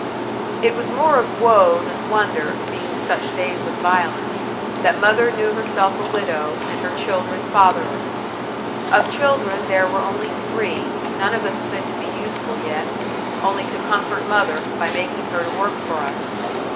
It was more of woe than wonder, being such days of violence, that mother knew herself a widow, and her children fatherless. Of children there were only three, none of us fit to be useful yet, only to comfort mother, by making her to work for us.